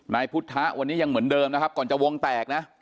นายพุทธะวันนี้ยังเหมือนเดิมนะครับก่อนจะวงแตกนะ